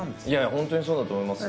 本当にそうだと思います。